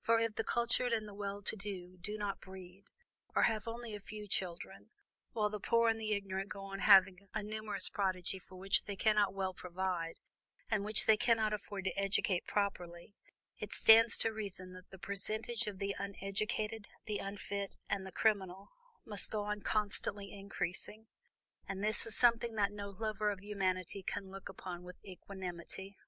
For if the cultured and the well to do do not breed, or have only a few children, while the poor and the ignorant go on having a numerous progeny for which they cannot well provide, and which they cannot afford to educate properly, it stands to reason that the percentage of the uneducated, the unfit and the criminal, must go on constantly increasing. And this is something that no lover of humanity can look upon with equanimity."